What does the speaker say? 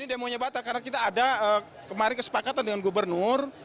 ini demonya batal karena kita ada kemarin kesepakatan dengan gubernur